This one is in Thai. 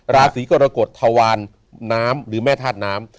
ราศีกรกฎทวารน้ำหรือแม่ธาตุน้ำ